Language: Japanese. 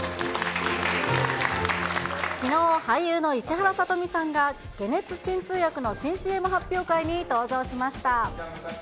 きのう、俳優の石原さとみさんが、解熱鎮痛薬の新ＣＭ発表会に登場しました。